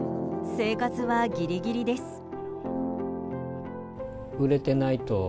生活はギリギリです。